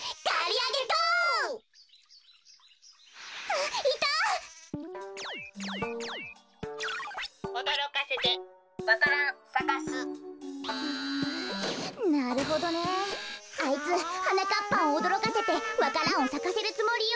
あいつはなかっぱんをおどろかせてわか蘭をさかせるつもりよ。